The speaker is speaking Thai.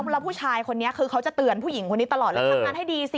แล้วผู้ชายคนนี้คือเขาจะเตือนผู้หญิงคนนี้ตลอด